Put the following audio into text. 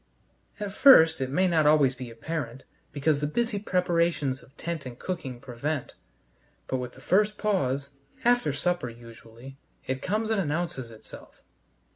At first it may not always be apparent, because the busy preparations of tent and cooking prevent, but with the first pause after supper usually it comes and announces itself.